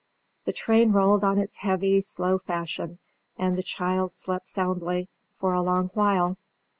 The train rolled on in its heavy, slow fashion, and the child slept soundly, for a long while.